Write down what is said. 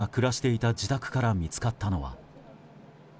一家が暮らしていた自宅から見つかったのは。